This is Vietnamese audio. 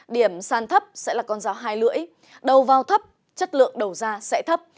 điểm sàn thấp sẽ là con dao hai lưỡi đầu vào thấp chất lượng đầu ra sẽ thấp